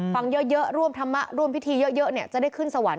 ฟังเยอะร่วมธรรมะร่วมพิธีเยอะจะได้ขึ้นสวรรค